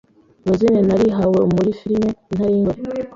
Rosine narihawe muri firime “Intare y’Ingore